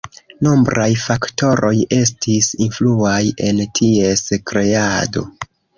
Nombraj faktoroj estis influaj en ties kreado.